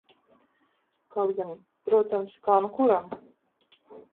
Kaut gan, protams, kā nu kuram.